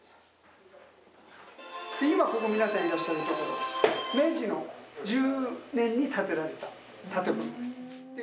今ここ皆さんいらっしゃるところが明治の１０年に建てられた建物です。